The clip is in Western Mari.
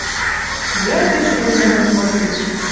Лиӓлтеш уждымы ик выртеш.